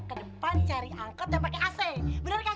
papan cari angkot dan pakai ac bener gak